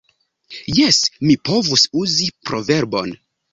Jes! Mi povus uzi proverbon!